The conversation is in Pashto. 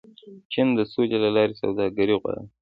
چین د سولې له لارې سوداګري غواړي.